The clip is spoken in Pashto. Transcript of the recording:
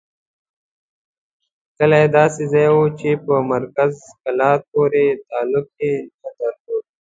کلی داسې ځای وو چې په مرکز کلات پورې تعلق یې نه درلود.